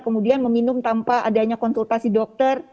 kemudian meminum tanpa adanya konsultasi dokter